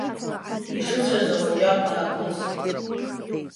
Ишыцәаз ауаҷар даакылсит.